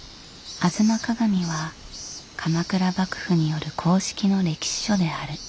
「吾妻鏡」は鎌倉幕府による公式の歴史書である。